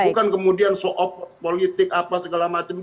bukan kemudian soal politik apa segala macam